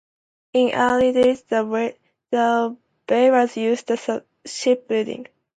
In the early days, the bay was used for shipbuilding.